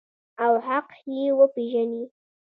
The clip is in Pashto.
او حق یې وپیژني.